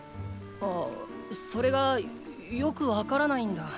ああそれがよく分からないんだ。